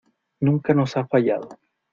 Nunca nos ha fallado.